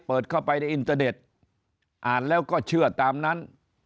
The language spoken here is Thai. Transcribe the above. เปิดเข้าไปในอินเตอร์เน็ตอ่านแล้วก็เชื่อตามนั้น